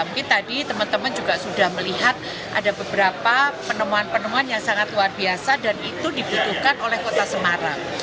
mungkin tadi teman teman juga sudah melihat ada beberapa penemuan penemuan yang sangat luar biasa dan itu dibutuhkan oleh kota semarang